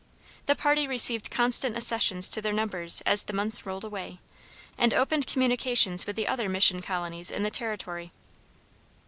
The party received constant accessions to their numbers as the months rolled away, and opened communication with the other mission colonies in the territory.